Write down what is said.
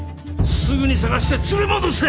すぐに捜して連れ戻せ！